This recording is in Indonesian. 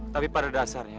tapi pada dasarnya